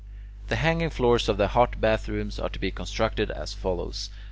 The hanging floors of the hot bath rooms are to be constructed as follows.